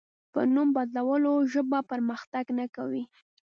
په نوم بدلولو ژبه پرمختګ نه کوي.